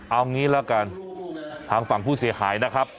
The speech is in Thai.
เอางี้ละกันทางฝั่งผู้เสียหายนะครับ